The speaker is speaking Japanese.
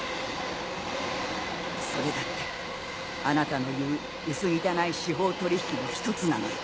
それだってあなたの言う薄汚い司法取引の１つなのよ。